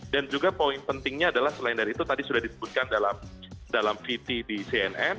dan juga poin pentingnya adalah selain dari itu tadi sudah disebutkan dalam vt di cnn